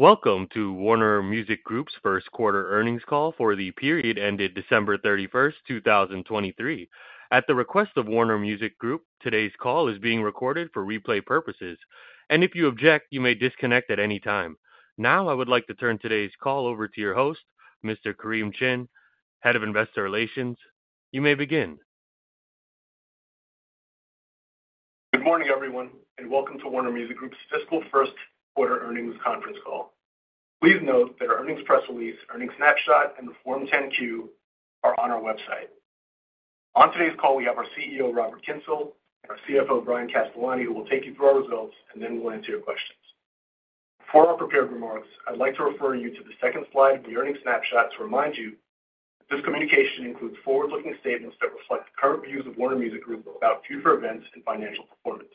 Welcome to Warner Music Group's first quarter earnings call for the period ended December 31, 2023. At the request of Warner Music Group, today's call is being recorded for replay purposes, and if you object, you may disconnect at any time. Now, I would like to turn today's call over to your host, Mr. Kareem Chin, Head of Investor Relations. You may begin. Good morning, everyone, and welcome to Warner Music Group's fiscal first quarter earnings conference call. Please note that our earnings press release, earnings snapshot, and Form 10-Q are on our website. On today's call, we have our CEO, Robert Kyncl, and our CFO, Bryan Castellani, who will take you through our results, and then we'll answer your questions. For our prepared remarks, I'd like to refer you to the second slide of the earnings snapshot to remind you this communication includes forward-looking statements that reflect the current views of Warner Music Group about future events and financial performance.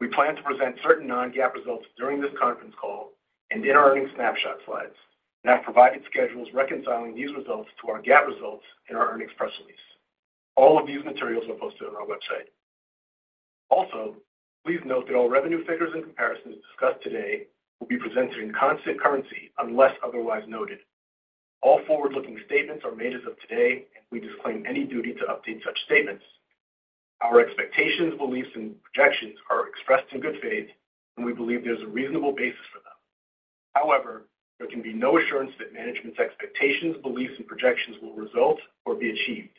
We plan to present certain non-GAAP results during this conference call and in our earnings snapshot slides, and have provided schedules reconciling these results to our GAAP results in our earnings press release. All of these materials are posted on our website. Also, please note that all revenue figures and comparisons discussed today will be presented in constant currency, unless otherwise noted. All forward-looking statements are made as of today, and we disclaim any duty to update such statements. Our expectations, beliefs, and projections are expressed in good faith, and we believe there's a reasonable basis for them. However, there can be no assurance that management's expectations, beliefs, and projections will result or be achieved.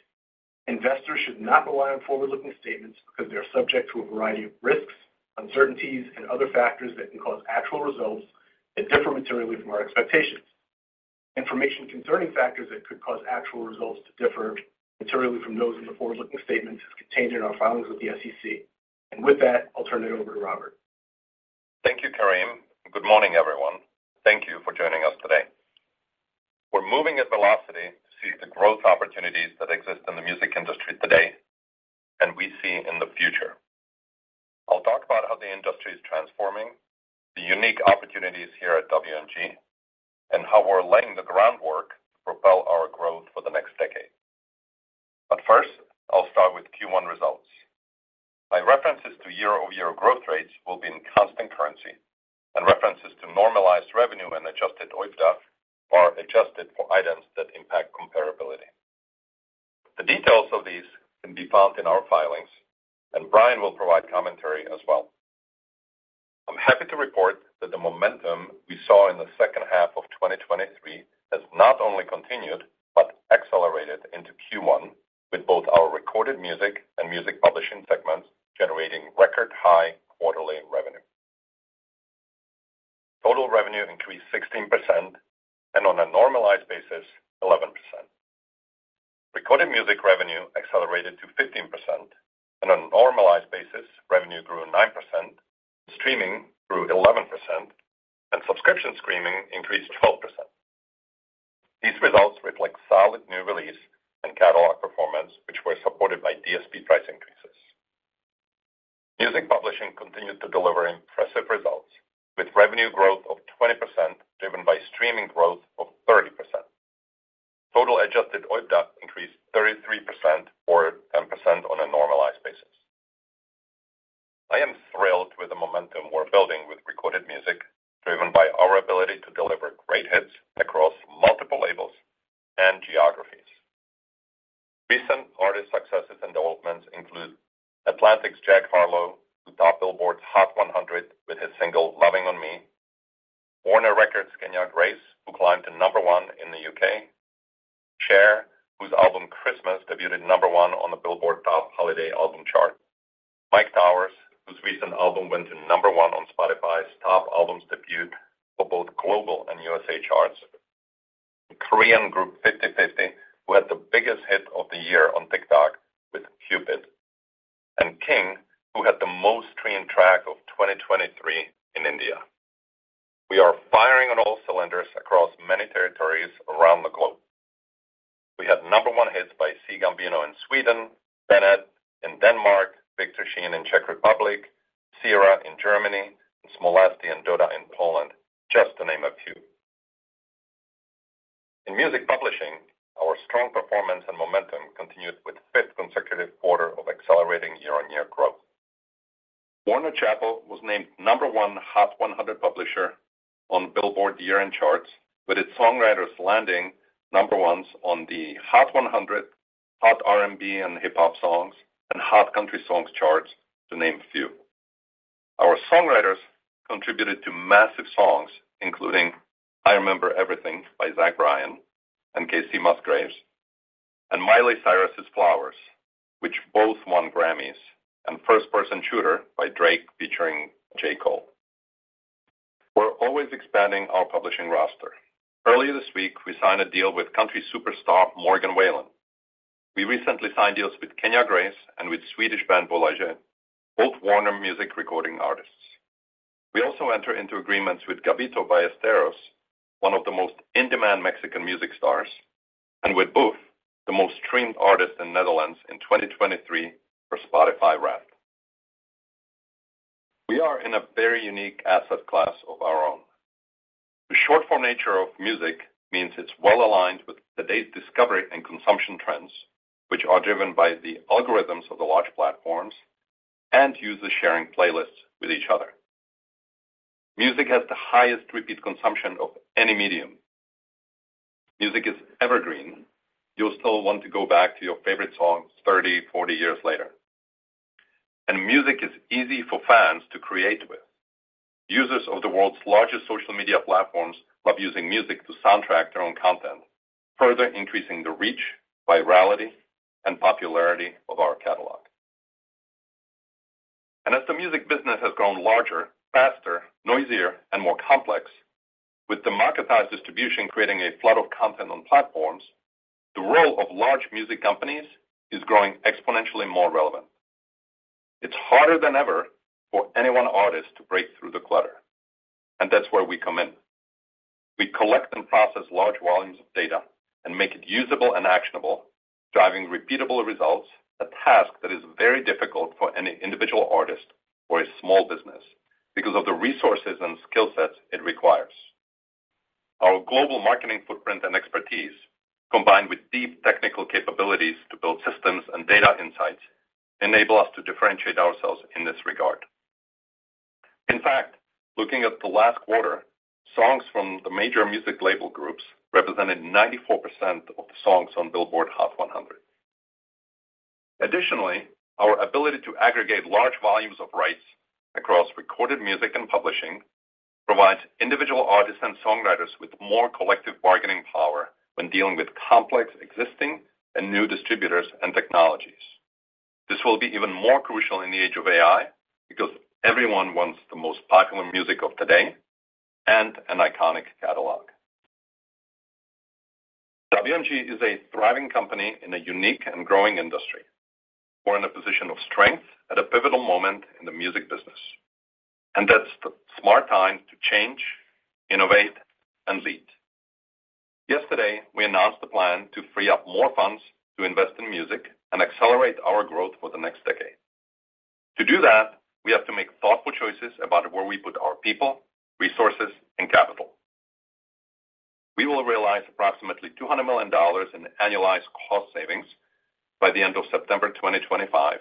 Investors should not rely on forward-looking statements because they are subject to a variety of risks, uncertainties, and other factors that can cause actual results to differ materially from our expectations. Information concerning factors that could cause actual results to differ materially from those in the forward-looking statements is contained in our filings with the SEC. With that, I'll turn it over to Robert. Thank you, Kareem. Good morning, everyone. Thank you for joining us today. We're moving at velocity to see the growth opportunities that exist in the music industry today, and we see in the future. I'll talk about how the industry is transforming, the unique opportunities here at WMG, and how we're laying the groundwork to propel our growth for the next decade. But first, I'll start with Q1 results. My references to year-over-year growth rates will be in constant currency, and references to normalized revenue and adjusted OIBDA are adjusted for items that impact comparability. The details of these can be found in our filings, and Bryan will provide commentary as well. I'm happy to report that the momentum we saw in the second half of 2023 has not only continued, but accelerated into Q1, with both our Recorded Music and Music Publishing segments generating record-high quarterly revenue. Total revenue increased 16%, and on a normalized basis, 11%. Recorded Music revenue accelerated to 15%, and on a normalized basis, revenue grew 9%, streaming grew 11%, and subscription streaming increased 12%. These results reflect solid new release and catalog performance, which were supported by DSP price increases. Music Publishing continued to deliver impressive results, with revenue growth of 20%, driven by streaming growth of 30%. Total adjusted OIBDA increased 33% or 10% Earlier this week, we signed a deal with country superstar Morgan Wallen. We recently signed deals with Kenya Grace and with Swedish band Bolaget, both Warner Music recording artists. We also entered into agreements with Gabito Ballesteros, one of the most in-demand Mexican music stars, and with Boef, the most-streamed artist in Netherlands in 2023 for Spotify Wrapped. We are in a very unique asset class of our own. The short-form nature of music means it's well-aligned with today's discovery and consumption trends, which are driven by the algorithms of the large platforms, and users sharing playlists with each other. Music has the highest repeat consumption of any medium. Music is evergreen. You'll still want to go back to your favorite songs 30, 40 years later. And music is easy for fans to create with. Users of the world's largest social media platforms love using music to soundtrack their own content, further increasing the reach, virality, and popularity of our catalog. As the music business has grown larger, faster, noisier, and more complex, with democratized distribution creating a flood of content on platforms, the role of large music companies is growing exponentially more relevant. It's harder than ever for any one artist to break through the clutter, and that's where we come in. We collect and process large volumes of data and make it usable and actionable, driving repeatable results, a task that is very difficult for any individual artist or a small business because of the resources and skill sets it requires. Our global marketing footprint and expertise, combined with deep technical capabilities to build systems and data insights, enable us to differentiate ourselves in this regard. In fact, looking at the last quarter, songs from the major music label groups represented 94% of the songs on Billboard Hot 100. Additionally, our ability to aggregate large volumes of rights across Recorded Music and Music Publishing provides individual artists and songwriters with more collective bargaining power when dealing with complex, existing, and new distributors and technologies. This will be even more crucial in the age of AI because everyone wants the most popular music of today and an iconic catalog. WMG is a thriving company in a unique and growing industry. We're in a position of strength at a pivotal moment in the music business, and that's the smart time to change, innovate, and lead. Yesterday, we announced the plan to free up more funds to invest in music and accelerate our growth for the next decade. To do that, we have to make thoughtful choices about where we put our people, resources, and capital. We will realize approximately $200 million in annualized cost savings by the end of September 2025,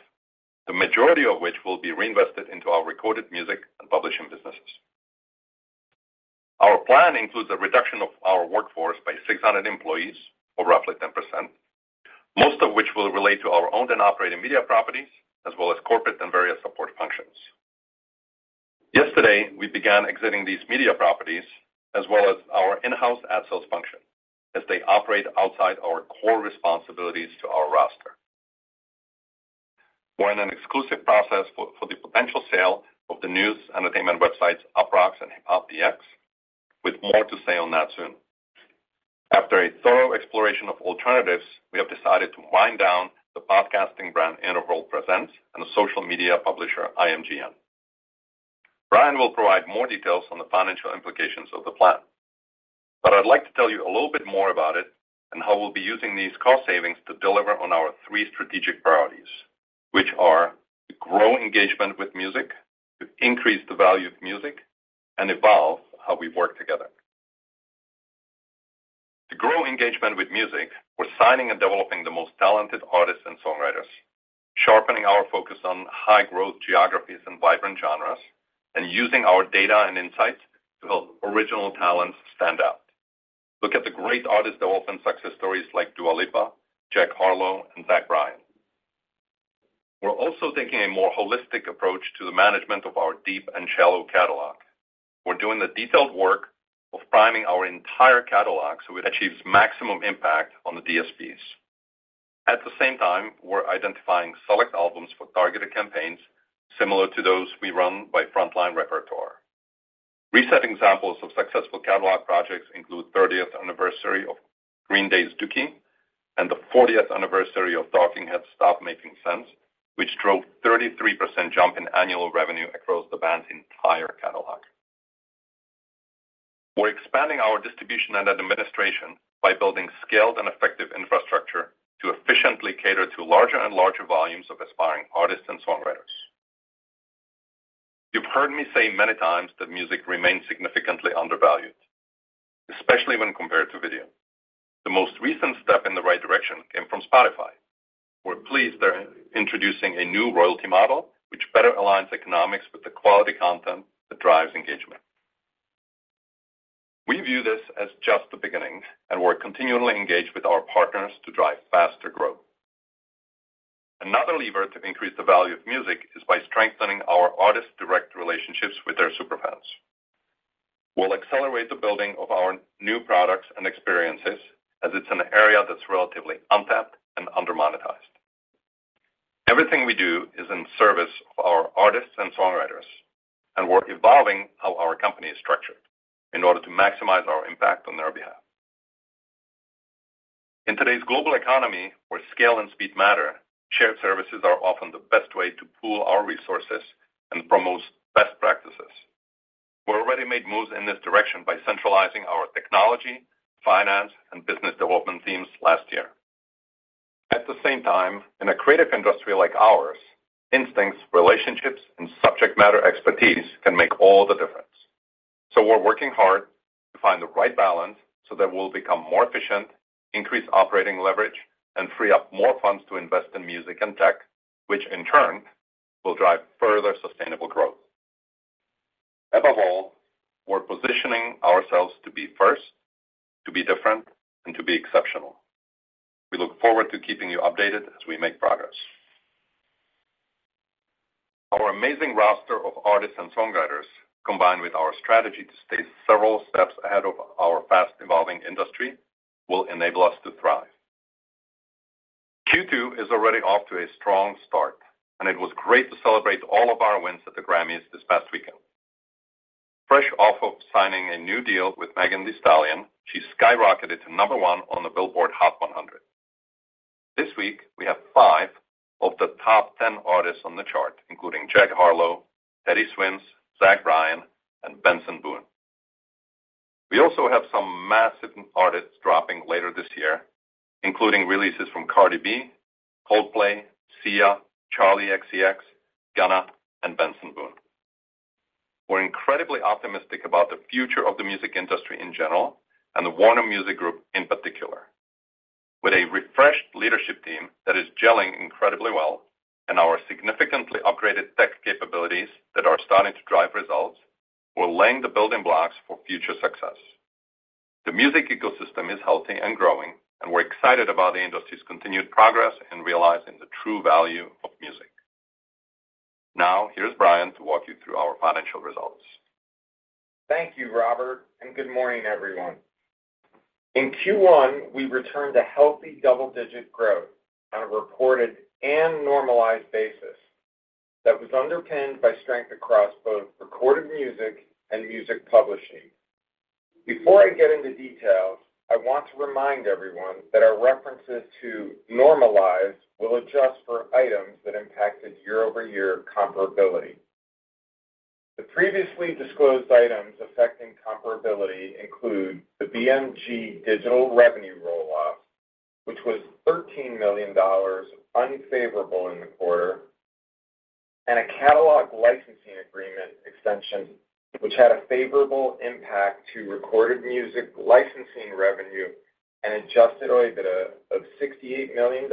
the majority of which will be reinvested into our Recorded Music and Music Publishing businesses. Our plan includes a reduction of our workforce by 600 employees, or roughly 10%, most of which will relate to our owned and operating media properties, as well as corporate and various support functions. Yesterday, we began exiting these media properties, as well as our in-house ad sales function, as they operate outside our core responsibilities to our roster. We're in an exclusive process for the potential sale of the news entertainment websites, Uproxx and HipHopDX, with more to say on that soon. After a thorough exploration of alternatives, we have decided to wind down the podcasting brand Interval Presents and the social media publisher, IMGN. Bryan will provide more details on the financial implications of the plan, but I'd like to tell you a little bit more about it and how we'll be using these cost savings to deliver on our three strategic priorities, which are: to grow engagement with music, to increase the value of music, and evolve how we work together. To grow engagement with music, we're signing and developing the most talented artists and songwriters, sharpening our focus on high-growth geographies and vibrant genres, and using our data and insights to help original talents stand out. Look at the great artist development success stories like Dua Lipa, Jack Harlow, and Zach Bryan. We're also taking a more holistic approach to the management of our deep and shallow catalog. We're doing the detailed work of priming our entire catalog so it achieves maximum impact on the DSPs. At the same time, we're identifying select albums for targeted campaigns similar to those we run by Frontline Repertoire. Recent examples of successful catalog projects include 30th anniversary of Green Day's Dookie and the 40th anniversary of Talking Heads' Stop Making Sense, which drove 33% jump in annual revenue across the band's entire catalog. We're expanding our distribution and administration by building scaled and effective infrastructure to efficiently cater to larger and larger volumes of aspiring artists and songwriters. You've heard me say many times that music remains significantly undervalued, especially when compared to video. The most recent step in the right direction came from Spotify. We're pleased they're introducing a new royalty model, which better aligns economics with the quality content that drives engagement. We view this as just the beginning, and we're continually engaged with our partners to drive faster growth. Another lever to increase the value of music is by strengthening our artist-direct relationships with their super fans. We'll accelerate the building of our new products and experiences as it's an area that's relatively untapped and under-monetized. Everything we do is in service of our artists and songwriters, and we're evolving how our company is structured in order to maximize our impact on their behalf. In today's global economy, where scale and speed matter, shared services are often the best way to pool our resources and promote best practices. We're already made moves in this direction by centralizing our technology, finance, and business development teams last year. At the same time, in a creative industry like ours, instincts, relationships, and subject matter expertise can make all the difference.... So we're working hard to find the right balance so that we'll become more efficient, increase operating leverage, and free up more funds to invest in music and tech, which in turn will drive further sustainable growth. Above all, we're positioning ourselves to be first, to be different, and to be exceptional. We look forward to keeping you updated as we make progress. Our amazing roster of artists and songwriters, combined with our strategy to stay several steps ahead of our fast-evolving industry, will enable us to thrive. Q2 is already off to a strong start, and it was great to celebrate all of our wins at the Grammys this past weekend. Fresh off of signing a new deal with Megan Thee Stallion, she skyrocketed to number one on the Billboard Hot 100. This week, we have five of the top 10 artists on the chart, including Jack Harlow, Teddy Swims, Zach Bryan, and Benson Boone. We also have some massive artists dropping later this year, including releases from Cardi B, Coldplay, Sia, Charli XCX, Gunna, and Benson Boone. We're incredibly optimistic about the future of the music industry in general and the Warner Music Group in particular. With a refreshed leadership team that is gelling incredibly well and our significantly upgraded tech capabilities that are starting to drive results, we're laying the building blocks for future success. The music ecosystem is healthy and growing, and we're excited about the industry's continued progress in realizing the true value of music. Now, here's Bryan to walk you through our financial results. Thank you, Robert, and good morning, everyone. In Q1, we returned to healthy double-digit growth on a reported and normalized basis that was underpinned by strength across both recorded music and music publishing. Before I get into details, I want to remind everyone that our references to normalized will adjust for items that impacted year-over-year comparability. The previously disclosed items affecting comparability include the BMG digital revenue roll-off, which was $13 million unfavorable in the quarter, and a catalog licensing agreement extension, which had a favorable impact to recorded music licensing revenue and Adjusted OIBDA of $68 million and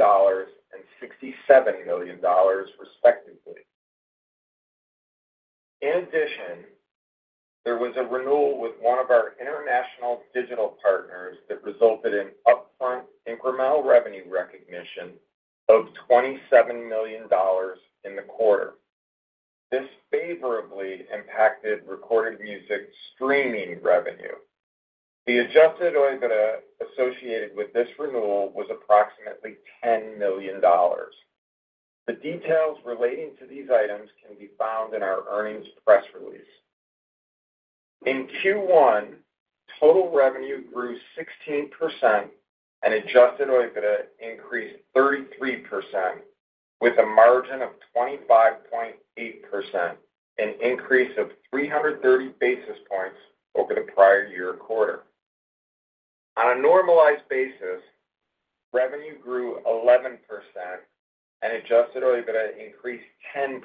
$67 million, respectively. In addition, there was a renewal with one of our international digital partners that resulted in upfront incremental revenue recognition of $27 million in the quarter. This favorably impacted recorded music streaming revenue. The Adjusted OIBDA associated with this renewal was approximately $10 million. The details relating to these items can be found in our earnings press release. In Q1, total revenue grew 16% and Adjusted OIBDA increased 33% with a margin of 25.8%, an increase of 330 basis points over the prior year quarter. On a normalized basis, revenue grew 11% and Adjusted OIBDA increased 10%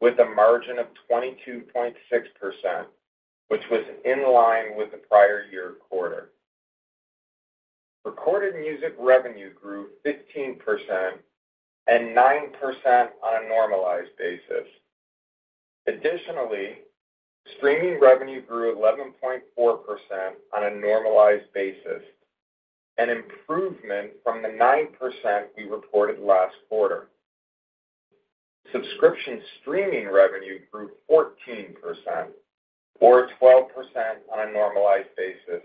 with a margin of 22.6%, which was in line with the prior year quarter. Recorded Music revenue grew 15% and 9% on a normalized basis. Additionally, streaming revenue grew 11.4% on a normalized basis, an improvement from the 9% we reported last quarter. Subscription streaming revenue grew 14% or 12% on a normalized basis,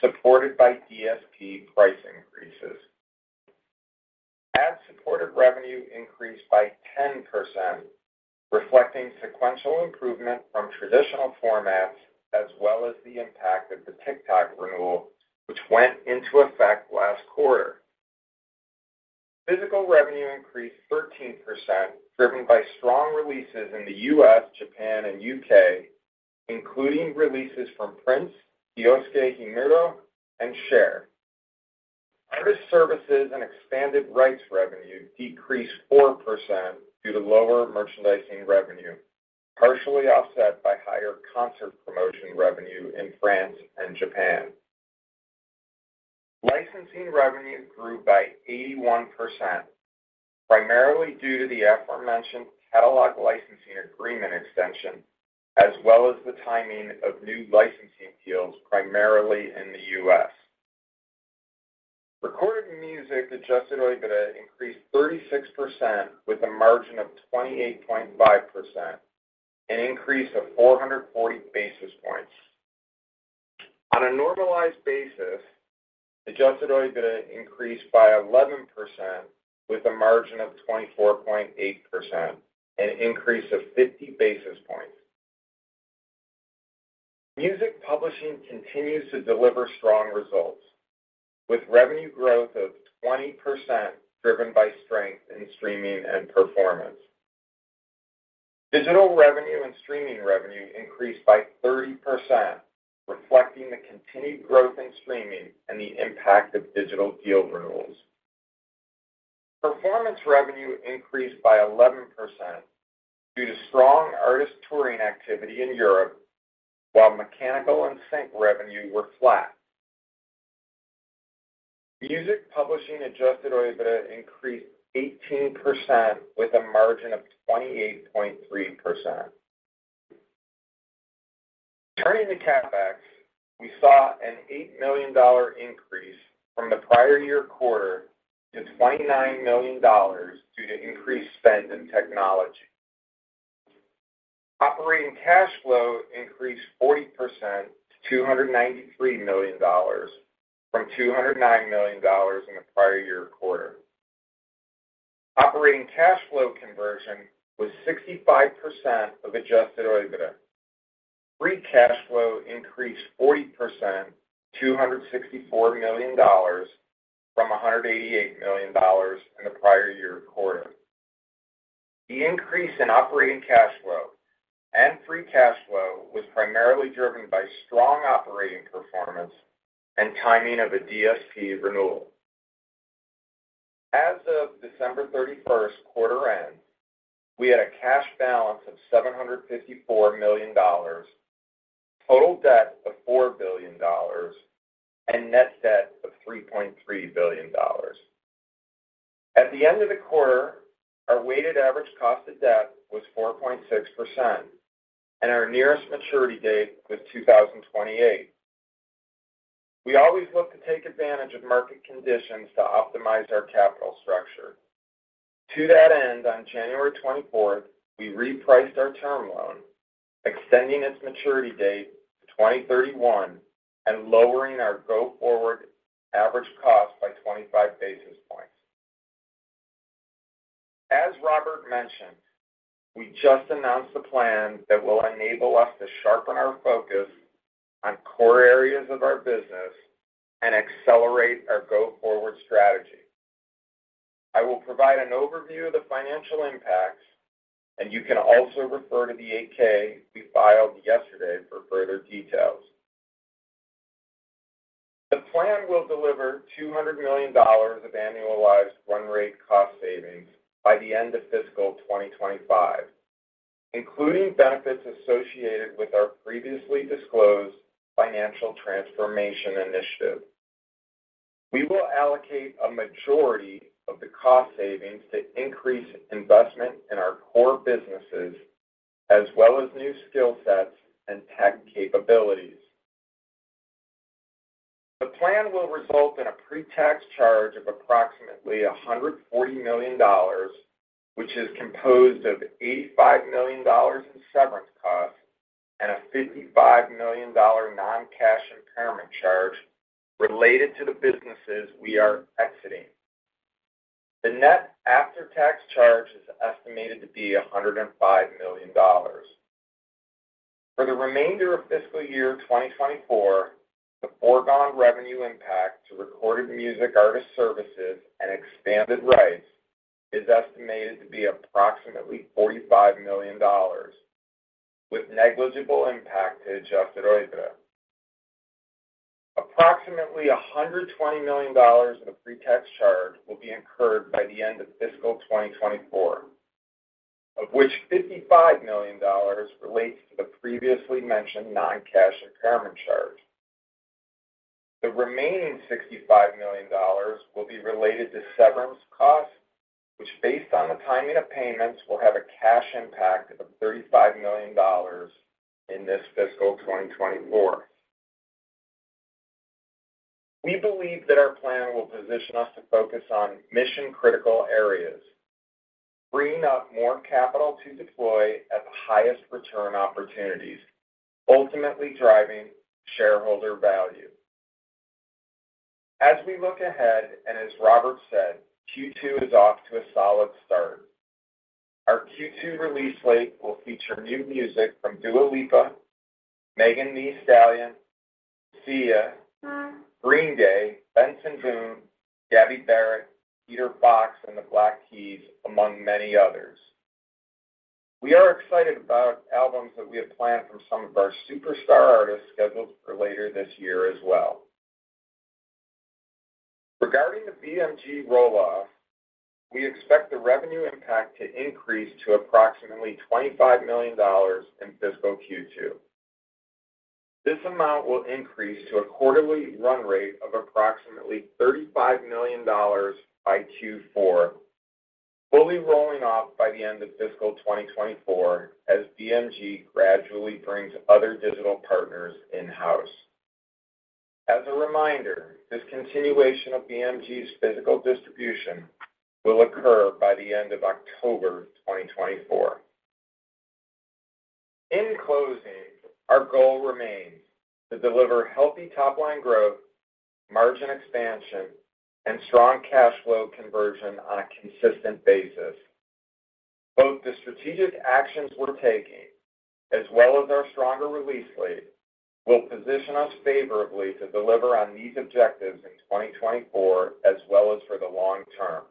supported by DSP price increases. Ad-supported revenue increased by 10%, reflecting sequential improvement from traditional formats, as well as the impact of the TikTok renewal, which went into effect last quarter. Physical revenue increased 13%, driven by strong releases in the U.S., Japan, and U.K., including releases from Prince, Kyosuke Himuro, and Cher. Artist services and expanded rights revenue decreased 4% due to lower merchandising revenue, partially offset by higher concert promotion revenue in France and Japan. Licensing revenue grew by 81%, primarily due to the aforementioned catalog licensing agreement extension, as well as the timing of new licensing deals, primarily in the U.S. Recorded Music Adjusted OIBDA increased 36% with a margin of 28.5%, an increase of 440 basis points. On a normalized basis, adjusted OIBDA increased by 11% with a margin of 24.8%, an increase of 50 basis points. Music publishing continues to deliver strong results, with revenue growth of 20%, driven by strength in streaming and performance. Digital revenue and streaming revenue increased by 30%, reflecting the continued growth in streaming and the impact of digital deal renewals. Performance revenue increased by 11% due to strong artist touring activity in Europe, while mechanical and sync revenue were flat. Music publishing adjusted OIBDA increased 18% with a margin of 28.3%. Turning to CapEx, we saw an $8 million increase from the prior year quarter to $29 million due to increased spend in technology. Operating cash flow increased 40% to $293 million, from $209 million in the prior-year quarter. Operating cash flow conversion was 65% of Adjusted OIBDA. Free cash flow increased 40% to $264 million, from $188 million in the prior-year quarter. The increase in operating cash flow and free cash flow was primarily driven by strong operating performance and timing of a DSP renewal. As of December 31, quarter end, we had a cash balance of $754 million, total debt of $4 billion, and net debt of $3.3 billion. At the end of the quarter, our weighted average cost of debt was 4.6%, and our nearest maturity date was 2028. We always look to take advantage of market conditions to optimize our capital structure. To that end, on January 24th, we repriced our term loan, extending its maturity date to 2031, and lowering our go-forward average cost by 25 basis points. As Robert mentioned, we just announced the plan that will enable us to sharpen our focus on core areas of our business and accelerate our go-forward strategy. I will provide an overview of the financial impacts, and you can also refer to the 8-K we filed yesterday for further details. The plan will deliver $200 million of annualized run rate cost savings by the end of fiscal 2025, including benefits associated with our previously disclosed financial transformation initiative. We will allocate a majority of the cost savings to increase investment in our core businesses, as well as new skill sets and tech capabilities. The plan will result in a pre-tax charge of approximately $140 million, which is composed of $85 million in severance costs and a $55 million non-cash impairment charge related to the businesses we are exiting. The net after-tax charge is estimated to be $105 million. For the remainder of fiscal year 2024, the foregone revenue impact to Recorded Music, Artist Services, and Expanded Rights is estimated to be approximately $45 million, with negligible impact to Adjusted OIBDA. Approximately $120 million in a pre-tax charge will be incurred by the end of fiscal 2024, of which $55 million relates to the previously mentioned non-cash impairment charge. The remaining $65 million will be related to severance costs, which, based on the timing of payments, will have a cash impact of $35 million in this fiscal 2024. We believe that our plan will position us to focus on mission-critical areas, freeing up more capital to deploy at the highest return opportunities, ultimately driving shareholder value. As we look ahead, and as Robert said, Q2 is off to a solid start. Our Q2 release slate will feature new music from Dua Lipa, Megan Thee Stallion, Sia, Green Day, Benson Boone, Gabby Barrett, Peter Fox, and The Black Keys, among many others. We are excited about albums that we have planned from some of our superstar artists scheduled for later this year as well. Regarding the BMG roll-off, we expect the revenue impact to increase to approximately $25 million in fiscal Q2. This amount will increase to a quarterly run rate of approximately $35 million by Q4, fully rolling off by the end of fiscal 2024, as BMG gradually brings other digital partners in-house. As a reminder, this continuation of BMG's physical distribution will occur by the end of October 2024. In closing, our goal remains to deliver healthy top-line growth, margin expansion, and strong cash flow conversion on a consistent basis. Both the strategic actions we're taking, as well as our stronger release lead, will position us favorably to deliver on these objectives in 2024 as well as for the long term.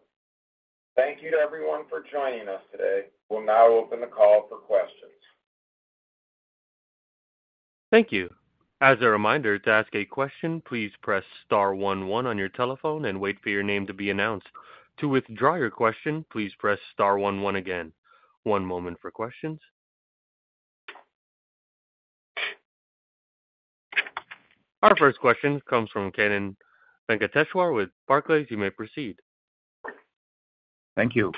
Thank you to everyone for joining us today. We'll now open the call for questions.... Thank you. As a reminder, to ask a question, please press star one one on your telephone and wait for your name to be announced. To withdraw your question, please press star one one again. One moment for questions. Our first question comes from Kannan Venkateshwar with Barclays. You may proceed. Thank you.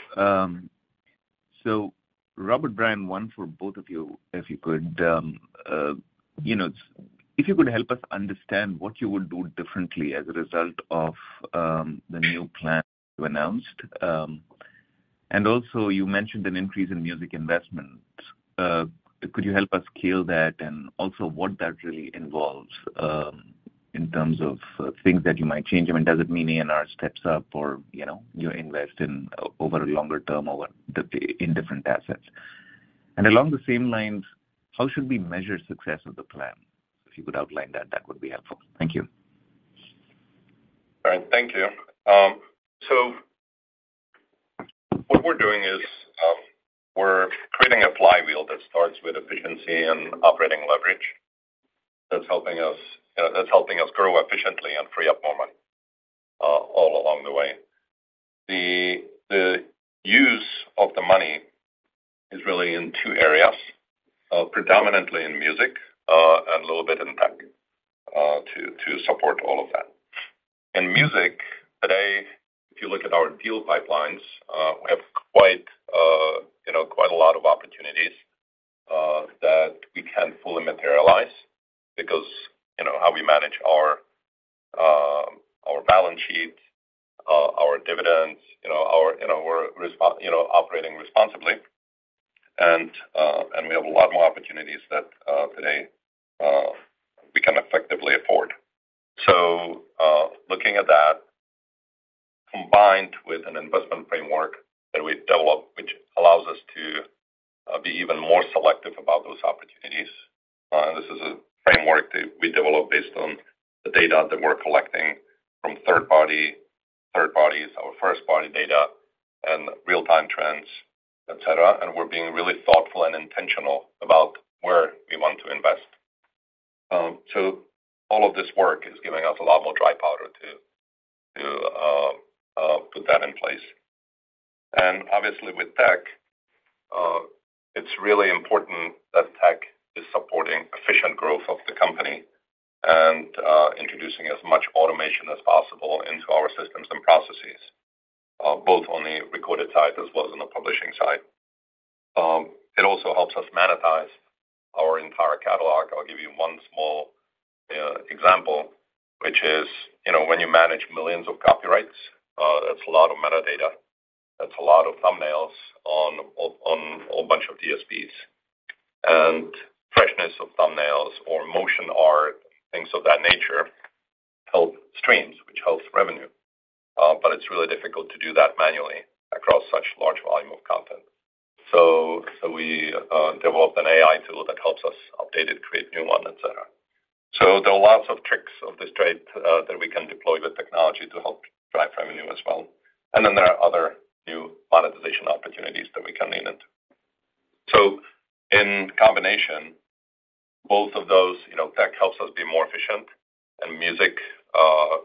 So Robert, Bryan, one for both of you, if you could, you know, if you could help us understand what you would do differently as a result of the new plan you announced. And also you mentioned an increase in music investment. Could you help us scale that and also what that really involves, in terms of things that you might change? I mean, does it mean A&R steps up or, you know, you invest in over a longer term over the-- in different assets? And along the same lines, how should we measure success of the plan? If you could outline that, that would be helpful. Thank you. All right. Thank you. So what we're doing is, we're creating a flywheel that starts with efficiency and operating leverage that's helping us, that's helping us grow efficiently and free up more money, all along the way. The use of the money is really in two areas, predominantly in music, and a little bit in tech, to support all of that. In music, today, if you look at our deal pipelines, we have quite, you know, quite a lot of opportunities, that we can't fully materialize because, you know, how we manage our, our balance sheet, our dividends, you know, our, you know, operating responsibly. And we have a lot more opportunities that, today, we can effectively afford. So, looking at that, combined with an investment framework that we developed, which allows us to be even more selective about those opportunities, this is a framework that we developed based on the data that we're collecting from third party, third parties, our first-party data, and real-time trends, etc. And we're being really thoughtful and intentional about where we want to invest. So all of this work is giving us a lot more dry powder to put that in place. And obviously, with tech, it's really important that tech is supporting efficient growth of the company and introducing as much automation as possible into our systems and processes, both on the recorded side as well as on the publishing side. It also helps us monetize our entire catalog. I'll give you one small example, which is, you know, when you manage millions of copyrights, that's a lot of metadata, that's a lot of thumbnails on, on a whole bunch of DSPs. And freshness of thumbnails or motion art, things of that nature, help streams, which helps revenue, but it's really difficult to do that manually across such large volume of content. So, so we developed an AI tool that helps us update it, create new one, etc. So there are lots of tricks of this trade that we can deploy with technology to help drive revenue as well. And then there are other new monetization opportunities that we can lean into. So in combination, both of those, you know, tech helps us be more efficient, and music,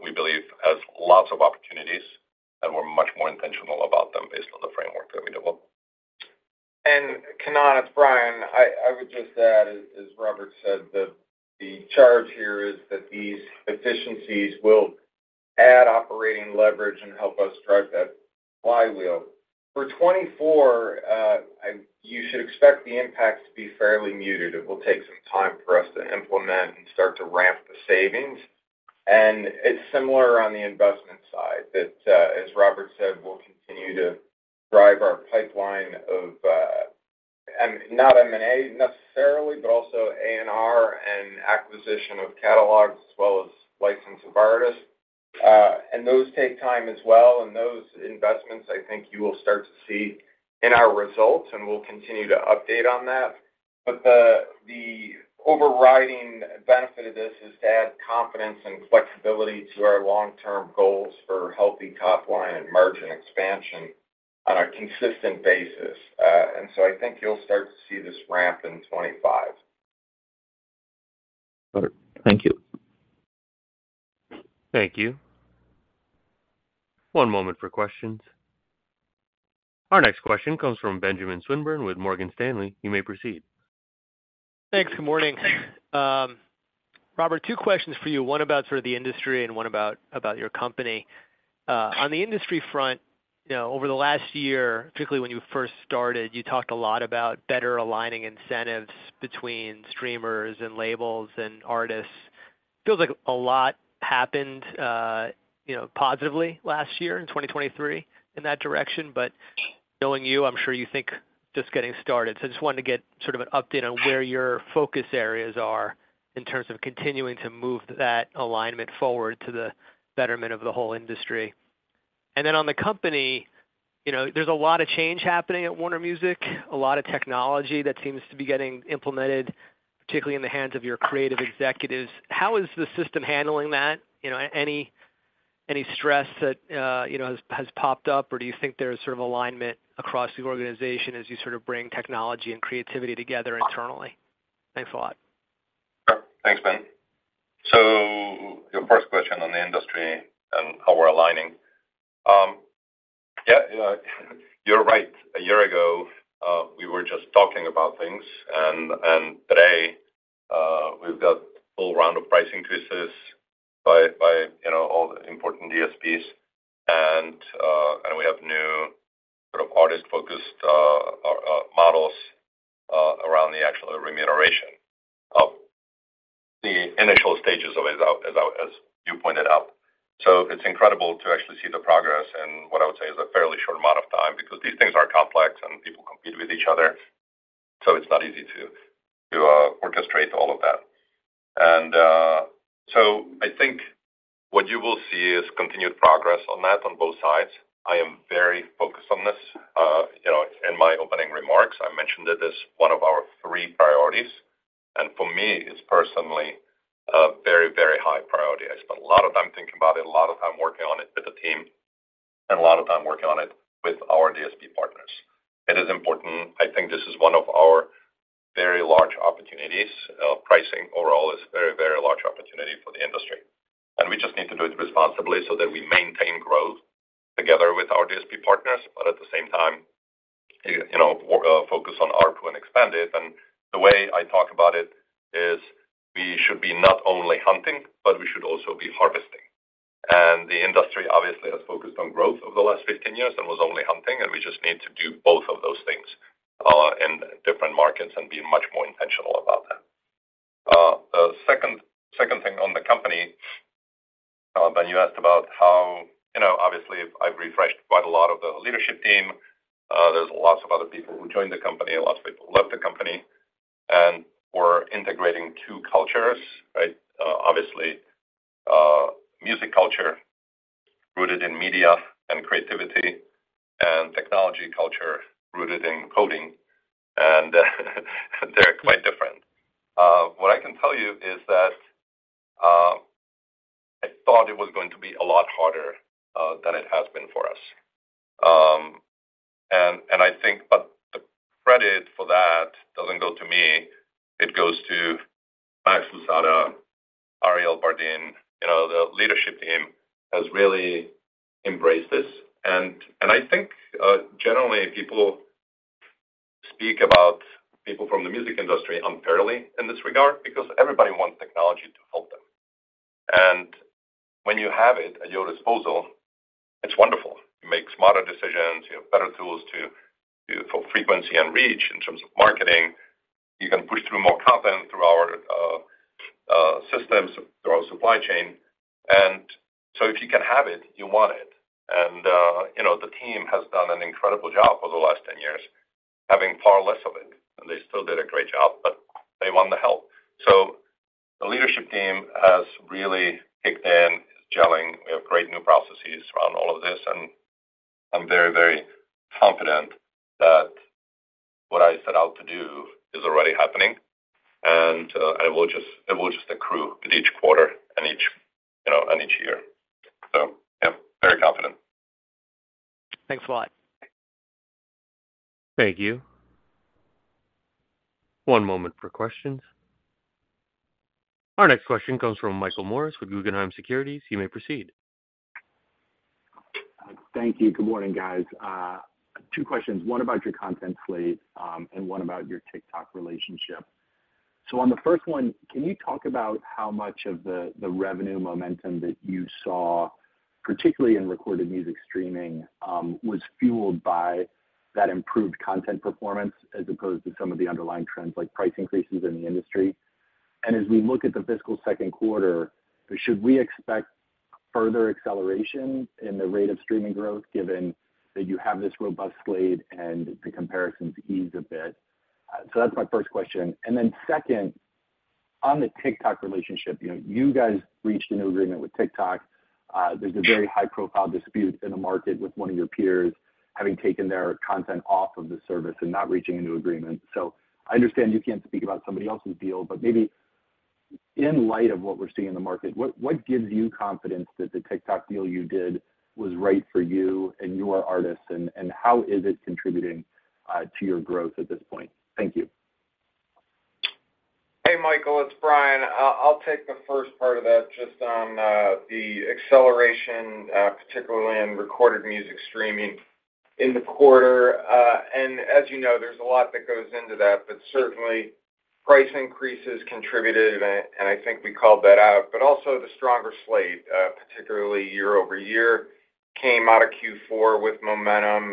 we believe, has lots of opportunities, and we're much more intentional about them based on the framework that we developed. Kannan, it's Bryan. I would just add, as Robert said, that the charge here is that these efficiencies will add operating leverage and help us drive that flywheel. For 2024, you should expect the impact to be fairly muted. It will take some time for us to implement and start to ramp the savings. And it's similar on the investment side, as Robert said, we'll continue to drive our pipeline of, not M&A necessarily, but also A&R and acquisition of catalogs as well as licensing of artists. And those take time as well, and those investments, I think you will start to see in our results, and we'll continue to update on that. But the overriding benefit of this is to add confidence and flexibility to our long-term goals for healthy top line and margin expansion on a consistent basis. And so I think you'll start to see this ramp in 2025. Thank you. Thank you. One moment for questions. Our next question comes from Benjamin Swinburne with Morgan Stanley. You may proceed. Thanks. Good morning. Robert, two questions for you, one about sort of the industry and one about your company. On the industry front, you know, over the last year, particularly when you first started, you talked a lot about better aligning incentives between streamers and labels and artists. Feels like a lot happened, you know, positively last year in 2023 in that direction, but knowing you, I'm sure you think just getting started. So I just wanted to get sort of an update on where your focus areas are in terms of continuing to move that alignment forward to the betterment of the whole industry. And then on the company, you know, there's a lot of change happening at Warner Music, a lot of technology that seems to be getting implemented, particularly in the hands of your creative executives. How is the system handling that? You know, any stress that, you know, has popped up? Or do you think there's sort of alignment across the organization as you sort of bring technology and creativity together internally? Thanks a lot. Sure. Thanks, Ben. So your first question on the industry and how we're aligning. Yeah, you're right. A year ago, we were just talking about things, and today, we've got a full round of price increases by, you know, all the important DSPs. And we have new sort of artist-focused models around the actual remuneration of the initial stages of it, as you pointed out. So it's incredible to actually see the progress in what I would say is a fairly short amount of time, because these things are complex and people compete with each other. So it's not easy to orchestrate all of that. And so I think what you will see is continued progress on that on both sides. I am very focused on this. You know, in my opening remarks, I mentioned it is one of our three priorities, and for me, it's personally a very, very high priority. I spent a lot of time thinking about it, a lot of time working on it with the team, and a lot of time working on it with our DSP partners. It is important. I think this is one of our very large opportunities. Pricing overall is a very, very large opportunity for the industry, and we just need to do it responsibly so that we maintain growth together with our DSP partners, but at the same time, you know, focus on ARPU and expand it. The way I talk about it is we should be not only hunting, but we should also be harvesting. The industry obviously has focused on growth over the last 15 years and was only hunting, and we just need to do both of those things, in different markets and be much more intentional about that. The second thing on the company, Ben, you asked about how—you know, obviously, I've refreshed quite a lot of the leadership team. There's lots of other people who joined the company, and lots of people left the company, and we're integrating two cultures, right? Obviously, music culture rooted in media and creativity, and technology culture rooted in coding, and they're quite different. What I can tell you is that, I thought it was going to be a lot harder, than it has been for us. And I think... But the credit for that doesn't go to me. It goes to Max Lousada, Ariel Bardin, you know, the leadership team has really embraced this. And I think generally, people speak about people from the music industry unfairly in this regard, because everybody wants technology to help them. And when you have it at your disposal, it's wonderful. You make smarter decisions, you have better tools for frequency and reach in terms of marketing, you can push through more content through our systems, through our supply chain, and so if you can have it, you want it. And you know, the team has done an incredible job over the last 10 years, having far less of it, and they still did a great job, but they want the help. So the leadership team has really kicked in, is gelling. We have great new processes around all of this, and I'm very, very confident that what I set out to do is already happening, and it will just, it will just accrue in each quarter and each, you know, and each year. So, yeah, very confident. Thanks a lot. Thank you. One moment for questions. Our next question comes from Michael Morris with Guggenheim Securities. You may proceed. Thank you. Good morning, guys. Two questions, one about your content slate, and one about your TikTok relationship. So on the first one, can you talk about how much of the revenue momentum that you saw, particularly in recorded music streaming, was fueled by that improved content performance as opposed to some of the underlying trends, like price increases in the industry? And as we look at the fiscal second quarter, should we expect further acceleration in the rate of streaming growth, given that you have this robust slate and the comparisons ease a bit? So that's my first question. And then second, on the TikTok relationship, you know, you guys reached a new agreement with TikTok. There's a very high-profile dispute in the market with one of your peers having taken their content off of the service and not reaching a new agreement. I understand you can't speak about somebody else's deal, but maybe in light of what we're seeing in the market, what, what gives you confidence that the TikTok deal you did was right for you and your artists, and, and how is it contributing to your growth at this point? Thank you. Hey, Michael, it's Bryan. I'll take the first part of that just on the acceleration, particularly in recorded music streaming in the quarter. And as you know, there's a lot that goes into that, but certainly price increases contributed, and I think we called that out, but also the stronger slate, particularly year-over-year, came out of Q4 with momentum,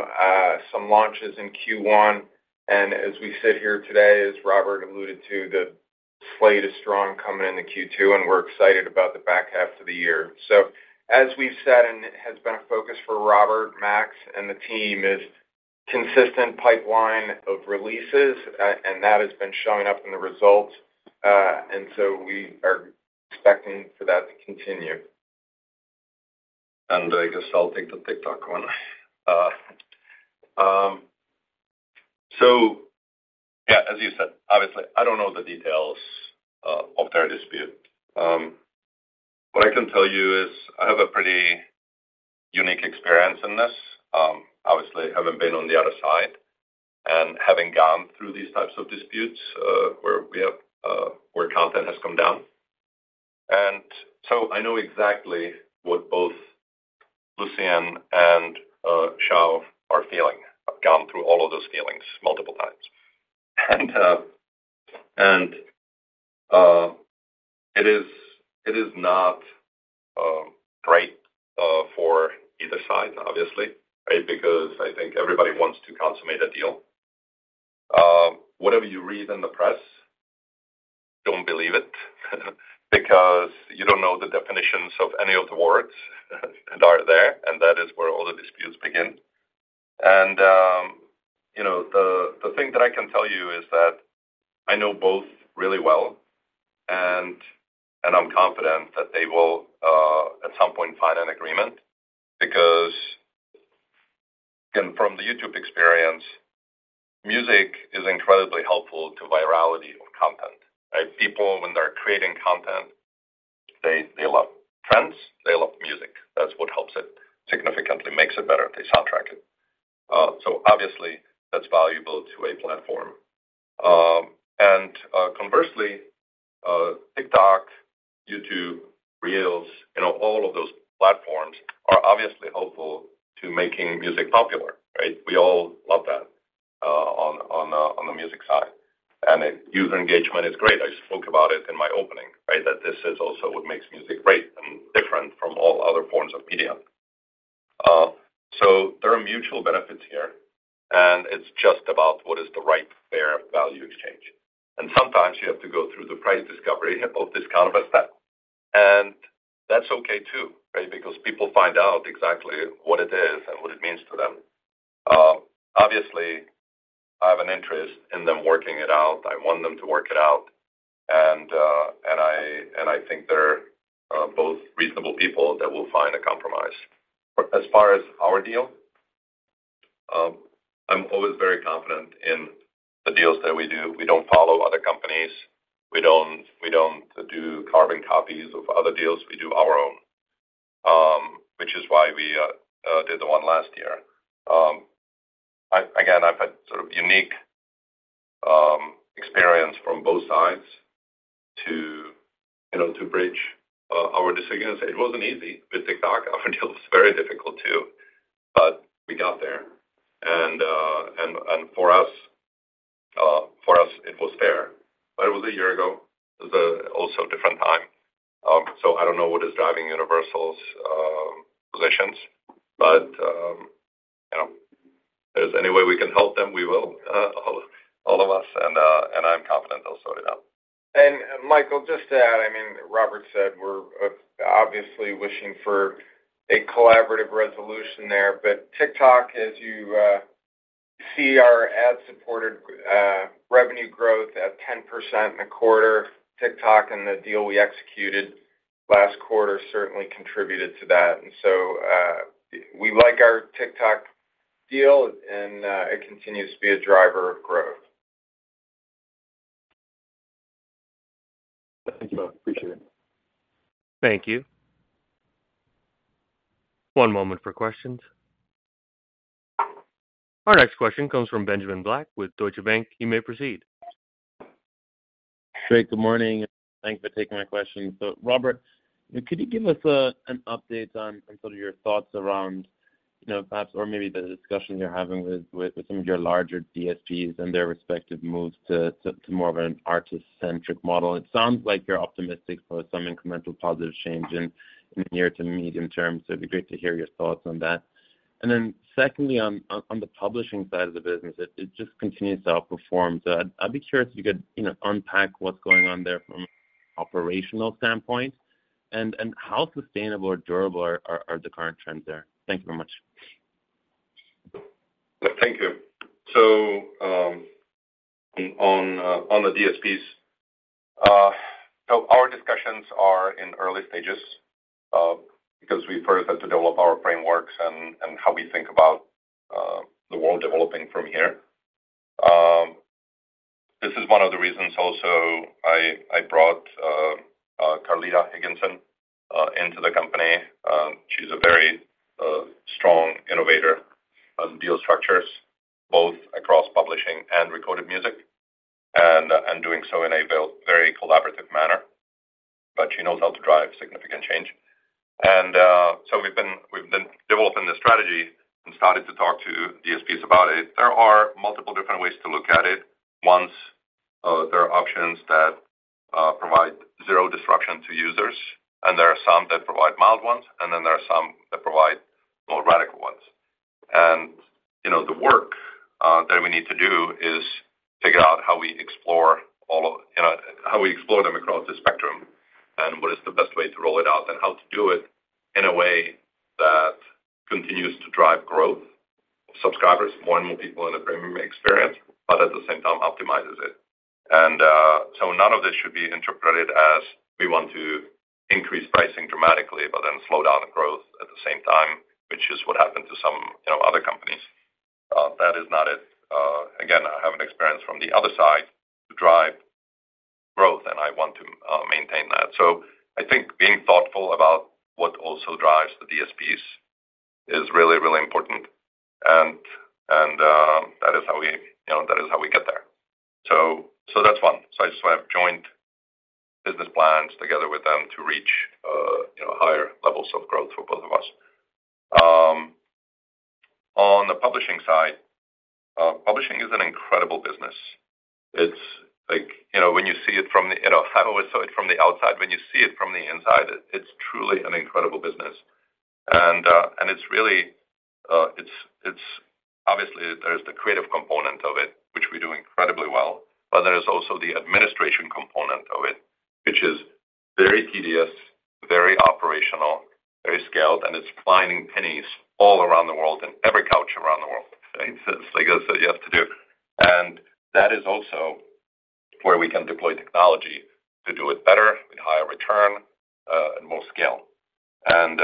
some launches in Q1. And as we sit here today, as Robert alluded to, the slate is strong coming into Q2, and we're excited about the back half of the year. So as we've said, and it has been a focus for Robert, Max, and the team, is consistent pipeline of releases, and that has been showing up in the results, and so we are expecting for that to continue. I guess I'll take the TikTok one. The details of their dispute. What I can tell you is I have a pretty unique experience in this. Obviously, having been on the other side and having gone through these types of disputes, where we have where content has come down. And so I know exactly what both Lucian and Shou are feeling. I've gone through all of those feelings multiple times. And it is, it is not great for either side, obviously, right? Because I think everybody wants to consummate a deal. Whatever you read in the press, don't believe it, because you don't know the definitions of any of the words that are there, and that is where all the disputes begin. And, you know, the thing that I can tell you is that I know both really well, and I'm confident that they will, at some point, find an agreement, because again, from the YouTube experience, music is incredibly helpful to virality of content, right? People, when they're creating content, they love trends, they love music. That's what helps it significantly, makes it better if they soundtrack it. So obviously, that's valuable to a platform. And, conversely, TikTok, YouTube, Reels, you know, all of those platforms are obviously helpful to making music popular, right? We all love that, on the music side. And user engagement is great. I spoke about it in my opening, right? That this is also what makes music great and different from all other forms of medium. So there are mutual benefits here, and it's just about what is the right fair value exchange. Sometimes you have to go through the price discovery of this kind of a step. That's okay, too, right? Because people find out exactly what it is and what it means to them. Obviously, I have an interest in them working it out. I want them to work it out. And I think they're both reasonable people that will find a compromise. But as far as our deal, I'm always very confident in the deals that we do. We don't follow other companies. We don't do carbon copies of other deals. We do our own, which is why we did the one last year. Again, I've had sort of unique experience from both sides to, you know, to bridge our disagreements. It wasn't easy with TikTok. Our deal was very difficult, too, but we got there. And for us, it was fair, but it was also a different time. So I don't know what is driving Universal's positions, but you know, if there's any way we can help them, we will, all of us. And I'm confident they'll sort it out. Michael, just to add, I mean, Robert said we're obviously wishing for a collaborative resolution there. But TikTok, as you see our ad-supported revenue growth at 10% in a quarter, TikTok and the deal we executed last quarter certainly contributed to that. And so, we like our TikTok deal, and it continues to be a driver of growth. Thank you, both. Appreciate it. Thank you. One moment for questions. Our next question comes from Benjamin Black with Deutsche Bank. You may proceed. Great, good morning. Thanks for taking my question. So, Robert, could you give us an update on sort of your thoughts around, you know, perhaps or maybe the discussion you're having with some of your larger DSPs and their respective moves to more of an artist-centric model? It sounds like you're optimistic for some incremental positive change in the near to medium term, so it'd be great to hear your thoughts on that. And then secondly, on the publishing side of the business, it just continues to outperform. So I'd be curious if you could, you know, unpack what's going on there from an operational standpoint, and how sustainable or durable are the current trends there? Thank you very much. Thank you. So, on the DSPs, so our discussions are in early stages, because we first have to develop our frameworks and how we think about the world developing from here. This is one of the reasons also I brought Carletta Higginson into the company. She's a very strong innovator on deal structures, both across publishing and recorded music, and doing so in a very collaborative manner, but she knows how to drive significant change. And so we've been developing this strategy and started to talk to DSPs about it. There are multiple different ways to look at it. One, there are options that provide zero disruption to users, and there are some that provide mild ones, and then there are some that provide more radical ones. You know, the work that we need to do is figure out how we explore all of, you know, how we explore them across the spectrum, and what is the best way to roll it out, and how to do it in a way that continues to drive growth, subscribers, more and more people in a premium experience, but at the same time, optimizes it. So none of this should be interpreted as we want to increase pricing dramatically, but then slow down the growth at the same time, which is what happened. That is not it. Again, I have an experience from the other side to drive growth, and I want to maintain that. So I think being thoughtful about what also drives the DSPs is really, really important. That is how we, you know, that is how we get there. So that's one. So I just want to have joint business plans together with them to reach, you know, higher levels of growth for both of us. On the publishing side, publishing is an incredible business. It's like, you know, when you see it from the, you know, I've always saw it from the outside. When you see it from the inside, it's truly an incredible business. And it's really, it's obviously there's the creative component of it, which we do incredibly well, but there is also the administration component of it, which is very tedious, very operational, very scaled, and it's finding pennies all around the world, in every couch around the world, right? So it's like I said, you have to do. And that is also where we can deploy technology to do it better, with higher return, and more scale. And,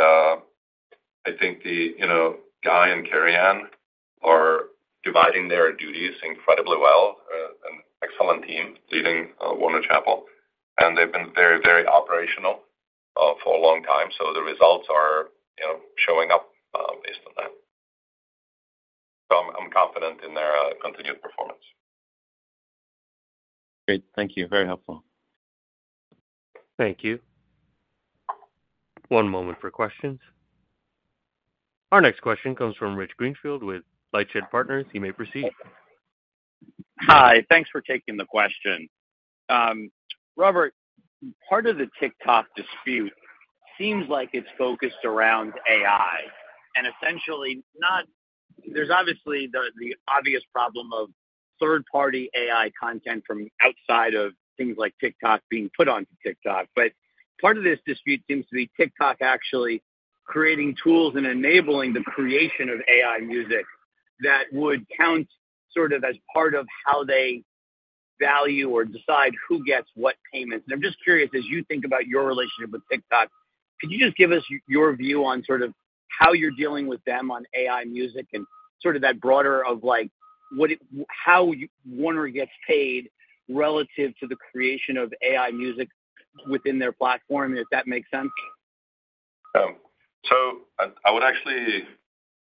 I think, you know, Guy and Carianne are dividing their duties incredibly well, an excellent team leading Warner Chappell, and they've been very, very operational, for a long time. So the results are, you know, showing up, based on that. So I'm confident in their continued performance. Great. Thank you. Very helpful. Thank you. One moment for questions. Our next question comes from Rich Greenfield with LightShed Partners. You may proceed. Hi, thanks for taking the question. Robert, part of the TikTok dispute seems like it's focused around AI and essentially not. There's obviously the obvious problem of third-party AI content from outside of things like TikTok being put onto TikTok. But part of this dispute seems to be TikTok actually creating tools and enabling the creation of AI music that would count sort of as part of how they value or decide who gets what payments. And I'm just curious, as you think about your relationship with TikTok, could you just give us your view on sort of how you're dealing with them on AI music and sort of that broader of like, how Warner gets paid relative to the creation of AI music within their platform, if that makes sense? So, I would actually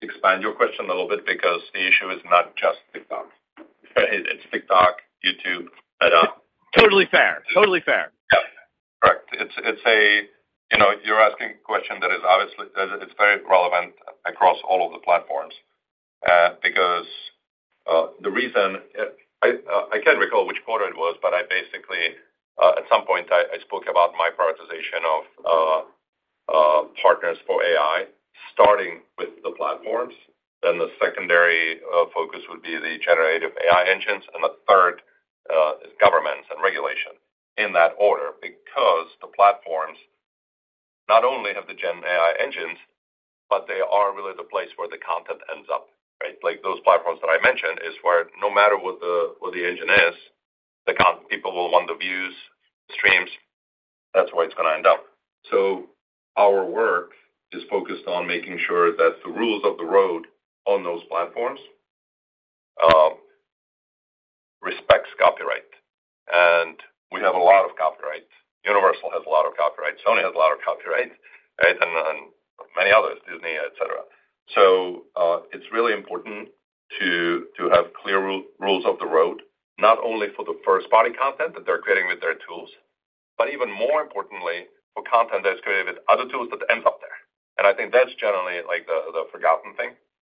expand your question a little bit because the issue is not just TikTok. It's TikTok, YouTube, but, Totally fair. Totally fair. Yeah, correct. It's a, you know, you're asking a question that is obviously very relevant across all of the platforms, because the reason I can't recall which quarter it was, but I basically at some point I spoke about my prioritization of partners for AI, starting with the platforms, then the secondary focus would be the generative AI engines, and the third is governments and regulation in that order, because the platforms not only have the gen AI engines, but they are really the place where the content ends up, right? Like those platforms that I mentioned is where no matter what the engine is, the content. People will want the views, the streams, that's where it's gonna end up. So our work is focused on making sure that the rules of the road on those platforms respects copyright, and we have a lot of copyrights. Universal has a lot of copyrights. Sony has a lot of copyrights, right? And, and many others, Disney, etc. So, it's really important to have clear rules of the road, not only for the first-party content that they're creating with their tools, but even more importantly, for content that's created with other tools that ends up there. And I think that's generally like the forgotten thing.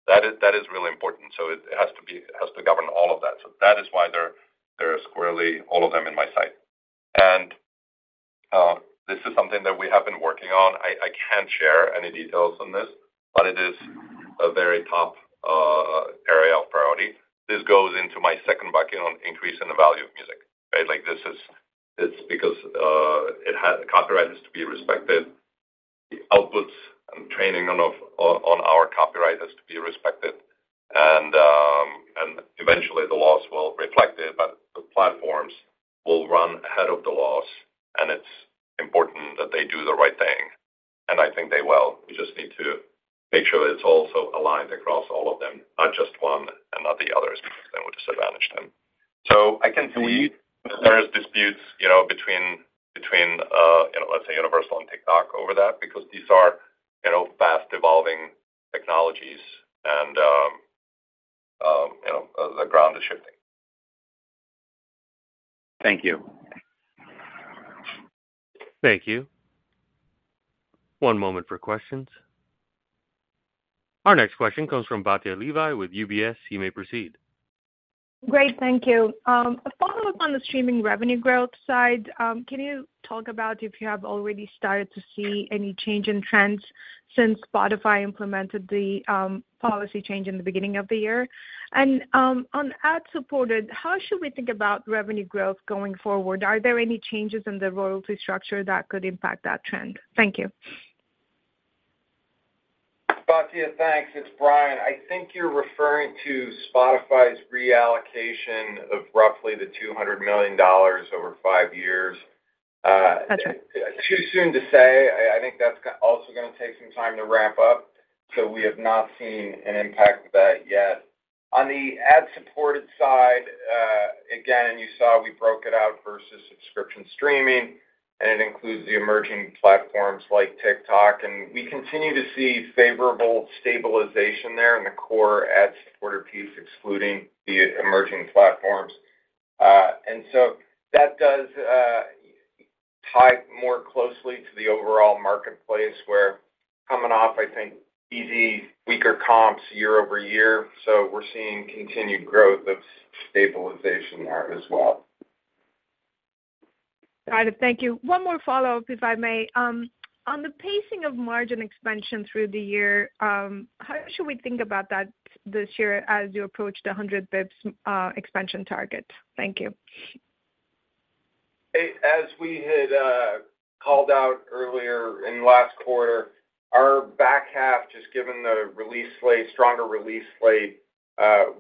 That is, that is really important, so it has to be. It has to govern all of that. So that is why they're squarely all of them in my sight. And this is something that we have been working on. I can't share any details on this, but it is a very top area of priority. This goes into my second bucket on increasing the value of music, right? Like this is, it's because it has copyright has to be respected, the outputs and training on our copyright has to be respected, and eventually the laws will reflect it, but the platforms will run ahead of the laws, and it's important that they do the right thing, and I think they will. We just need to make sure that it's also aligned across all of them, not just one and not the others, because then we disadvantage them. So I can see there is disputes, you know, between you know, let's say Universal and TikTok over that, because these are, you know, fast evolving technologies and, you know, the ground is shifting. Thank you. Thank you. One moment for questions. Our next question comes from Batya Levi with UBS. You may proceed. Great, thank you. A follow-up on the streaming revenue growth side. Can you talk about if you have already started to see any change in trends since Spotify implemented the policy change in the beginning of the year? And, on ad-supported, how should we think about revenue growth going forward? Are there any changes in the royalty structure that could impact that trend? Thank you. Batya, thanks. It's Brian. I think you're referring to Spotify's reallocation of roughly the $200 million over five years.... Too soon to say. I, I think that's also gonna take some time to ramp up, so we have not seen an impact of that yet. On the ad-supported side, again, you saw we broke it out versus subscription streaming, and it includes the emerging platforms like TikTok, and we continue to see favorable stabilization there in the core ad-supported piece, excluding the emerging platforms. And so that does tie more closely to the overall marketplace, where coming off, I think, easy, weaker comps year-over-year, so we're seeing continued growth of stabilization there as well. Got it. Thank you. One more follow-up, if I may. On the pacing of margin expansion through the year, how should we think about that this year as you approach the 100 basis points expansion target? Thank you. As we had called out earlier in last quarter, our back half, just given the release slate, stronger release slate,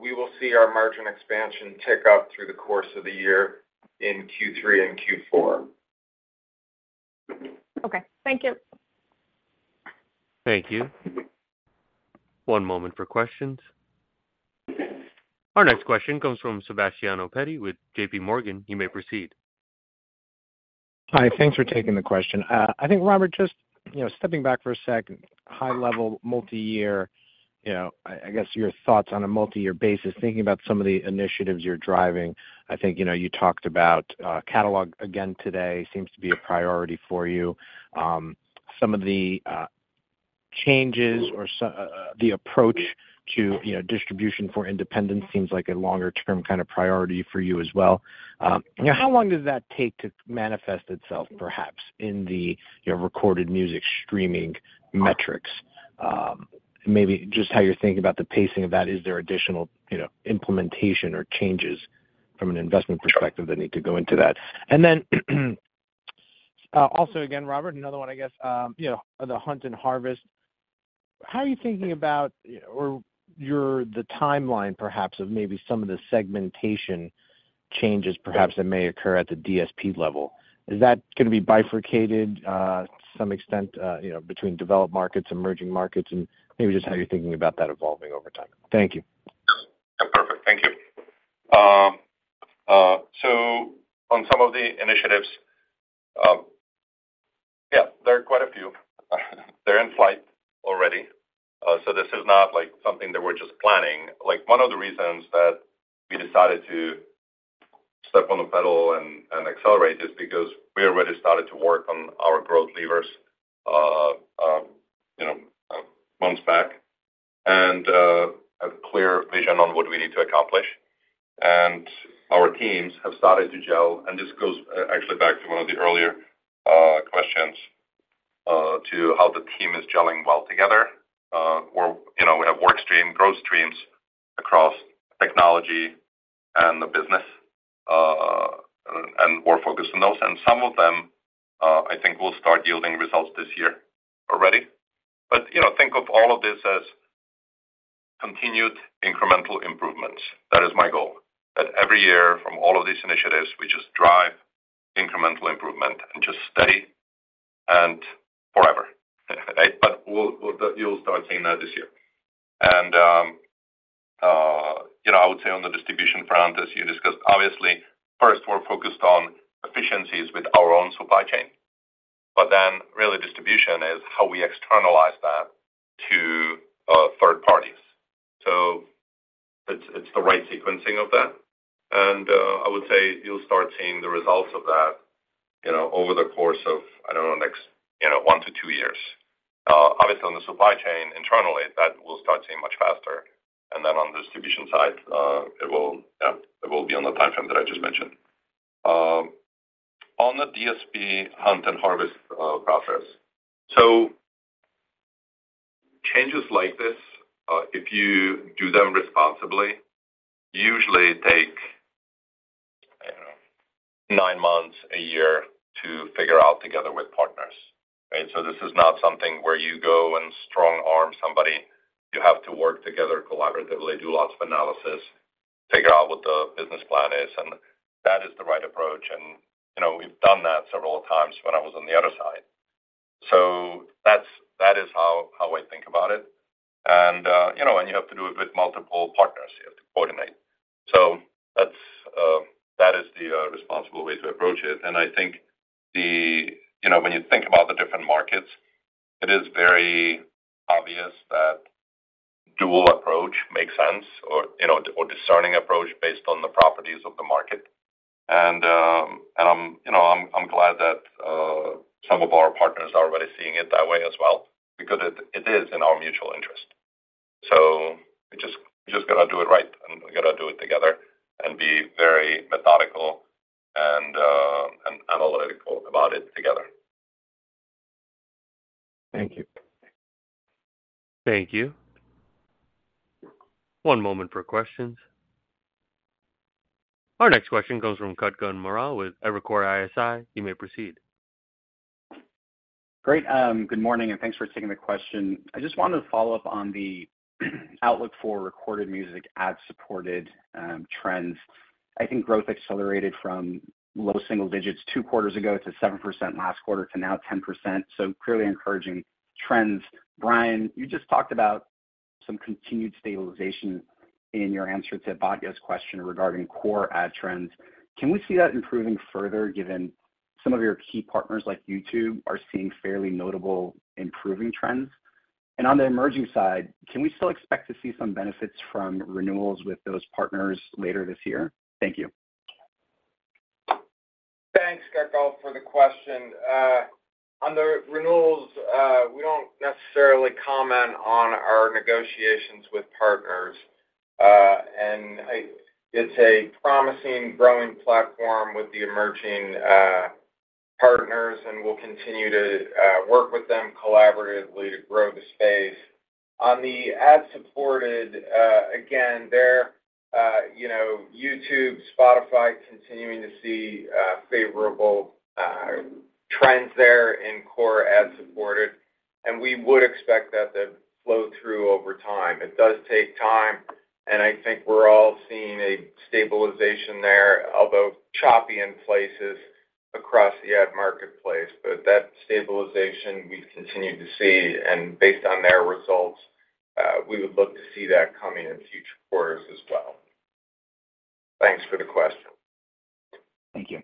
we will see our margin expansion tick up through the course of the year in Q3 and Q4. Okay. Thank you. Thank you. One moment for questions. Our next question comes from Sebastiano Petti with J.P. Morgan. You may proceed. Hi, thanks for taking the question. I think, Robert, just, you know, stepping back for a sec, high level, multi-year, you know, I, I guess your thoughts on a multi-year basis, thinking about some of the initiatives you're driving. I think, you know, you talked about, catalog again today, seems to be a priority for you. Some of the, changes or so... the approach to, you know, distribution for independence seems like a longer-term kind of priority for you as well. How long does that take to manifest itself, perhaps, in the, you know, recorded music streaming metrics? Maybe just how you're thinking about the pacing of that. Is there additional, you know, implementation or changes from an investment perspective that need to go into that? And then, also, again, Robert, another one, I guess, you know, the hunt and harvest. How are you thinking about the timeline perhaps of maybe some of the segmentation changes, perhaps, that may occur at the DSP level? Is that gonna be bifurcated, to some extent, you know, between developed markets, emerging markets, and maybe just how you're thinking about that evolving over time? Thank you. Perfect. Thank you. So on some of the initiatives, yeah, there are quite a few. They're in flight already, so this is not, like, something that we're just planning. Like, one of the reasons that we decided to step on the pedal and, and accelerate is because we already started to work on our growth levers, you know, months back, and a clear vision on what we need to accomplish. And our teams have started to gel, and this goes, actually back to one of the earlier questions, to how the team is gelling well together. You know, we have work stream, growth streams across technology and the business, and we're focused on those, and some of them, I think will start yielding results this year already. You know, think of all of this as continued incremental improvements. That is my goal, that every year from all of these initiatives, we just drive incremental improvement and just steady and forever. But we'll. You'll start seeing that this year. You know, I would say on the distribution front, as you discussed, obviously, first, we're focused on efficiencies with our own supply chain, but then really, distribution is how we externalize that to third parties. So it's the right sequencing of that, and I would say you'll start seeing the results of that, you know, over the course of, I don't know, next, you know, one to two years. Obviously, on the supply chain, internally, that we'll start seeing much faster, and then on the distribution side, it will, yeah, it will be on the timeframe that I just mentioned. On the DSP hunt and harvest process, so changes like this, if you do them responsibly, usually take, I don't know, 9 months, a year to figure out together with partners, right? So this is not something where you go and strong-arm somebody. You have to work together collaboratively, do lots of analysis, figure out what the business plan is, and that is the right approach. And, you know, we've done that several times when I was on the other side. So that's - that is how, how I think about it. And, you know, and you have to do it with multiple partners. You have to coordinate. So that's that is the responsible way to approach it, and I think the... You know, when you think about the different markets, it is very obvious that dual approach makes sense, or, you know, or discerning approach based on the properties of the market. And, and I'm, you know, I'm, I'm glad that some of our partners are already seeing it that way as well, because it, it is in our mutual interest. So we just, we just gotta do it right, and we gotta do it together and be very methodical and, and analytical about it together. Thank you. Thank you. One moment for questions. Our next question comes from Kutgun Maral with Evercore ISI. You may proceed. Great. Good morning, and thanks for taking the question. I just wanted to follow up on the outlook for Recorded Music, ad-supported trends. I think growth accelerated from low single digits two quarters ago to 7% last quarter to now 10%. So clearly encouraging trends. Bryan, you just talked about some continued stabilization in your answer to Batya's question regarding core ad trends. Can we see that improving further, given some of your key partners, like YouTube, are seeing fairly notable improving trends? And on the emerging side, can we still expect to see some benefits from renewals with those partners later this year? Thank you. Thanks, Kutgun, for the question. On the renewals, we don't necessarily comment on our negotiations with partners. It's a promising, growing platform with the emerging partners, and we'll continue to work with them collaboratively to grow the space. On the ad-supported, again, they're, you know, YouTube, Spotify, continuing to see favorable trends there in core ad-supported, and we would expect that to flow through over time. It does take time, and I think we're all seeing a stabilization there, although choppy in places across the ad marketplace. But that stabilization, we've continued to see, and based on their results, we would look to see that coming in future quarters as well. Thanks for the question. Thank you.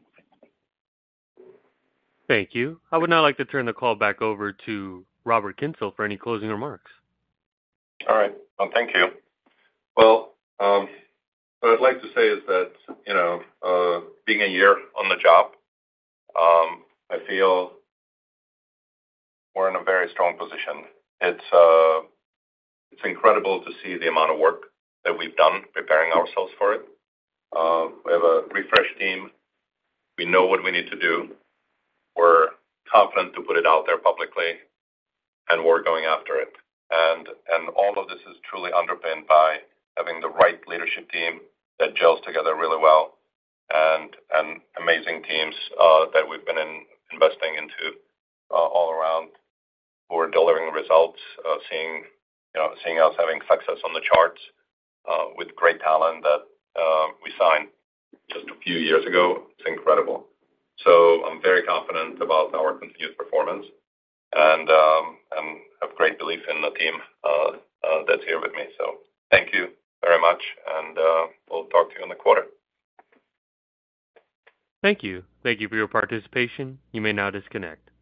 Thank you. I would now like to turn the call back over to Robert Kyncl for any closing remarks. All right. Well, thank you. Well, what I'd like to say is that, you know, being a year on the job, I feel we're in a very strong position. It's, it's incredible to see the amount of work that we've done preparing ourselves for it. We have a refreshed team. We know what we need to do. We're confident to put it out there publicly, and we're going after it. And all of this is truly underpinned by having the right leadership team that gels together really well, and amazing teams that we've been investing into all around. We're delivering results, seeing, you know, seeing us having success on the charts with great talent that we signed just a few years ago, it's incredible. So I'm very confident about our continued performance and have great belief in the team that's here with me. So thank you very much, and we'll talk to you in the quarter. Thank you. Thank you for your participation. You may now disconnect.